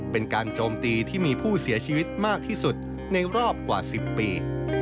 เป็นการโจมตีที่มีผู้เสียชีวิตมากที่สุดในรอบกว่า๑๐ปี